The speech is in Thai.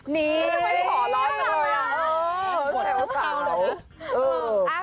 นี่ไม่สอร้อยเลยสาว